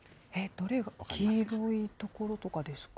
どれが、黄色い所とかですか。